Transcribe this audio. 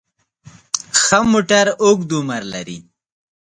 ښه موټر اوږد عمر لري.